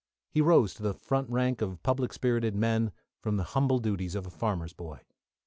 He rose to the front rank of public spirited men, from the humble duties of a farmer's boy.